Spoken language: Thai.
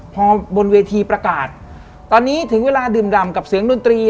พอบนเวทีประกาศตอนนี้ถึงเวลาดื่มดำกับเสียงดนตรี